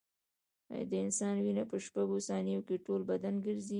د انسان وینه په شپږو ثانیو کې ټول بدن ګرځي.